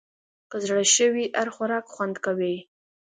که زړه ښه وي، هر خوراک خوند کوي.